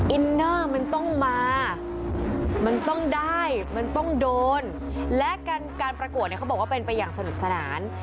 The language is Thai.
อินเนอร์มันต้องมามันต้องได้มันต้องโดนและการประกวดเนี่ยเขาบอกว่าเป็นไปอย่างสนุกสนาน